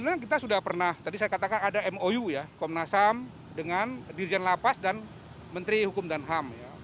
sebenarnya kita sudah pernah tadi saya katakan ada mou ya komnas ham dengan dirjen lapas dan menteri hukum dan ham